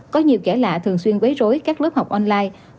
có nhiều kẻ lạ thường xuyên quấy rối các lớp học online